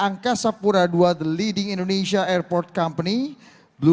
pt angkasa pura ii the leading indonesia airport company bluebird group meratus